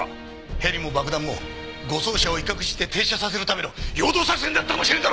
ヘリも爆弾も護送車を威嚇して停車させるための陽動作戦だったかもしれんだろう！